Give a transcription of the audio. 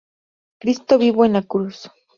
Cristo vivo en la Cruz.